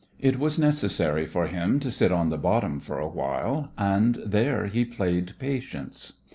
It was necessary for him to sit on the bottom for awhile, and there he played patience.